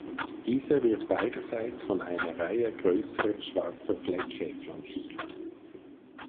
Dieser wird beiderseits von einer Reihe größerer schwarzer Flecke flankiert.